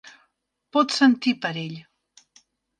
Pots sentir per ell.